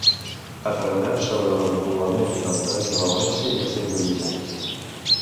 Ha treballat sobre el repoblament del Regne de València i els seus orígens.